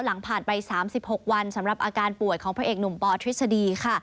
หลังผ่านไป๓๖วันสำหรับอาการป่วยของพระเอกหนุ่มปอทฤษฎีค่ะ